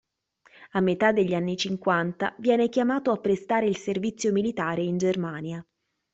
A metà degli anni cinquanta viene chiamato a prestare il servizio militare in Germania.